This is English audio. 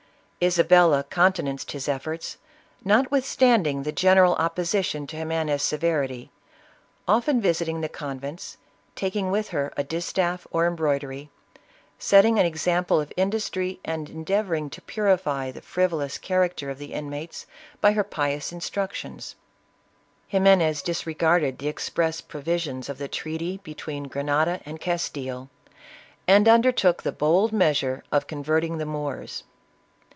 Isa ISABELLA OF CASTILE. 181 bella countenanced his efforts, notwithstanding the gen eral opposition to Ximenes' severity, often visiting the convents, taking with her a distaff or embroidery, set ting an example of industry, and endeavoring to purify the frivolous character of the inmates by her pious in structions. Ximenes disregarded the express provisions of the treaty between Grenada and Castile, and undertook the bold measure of converting the Moors.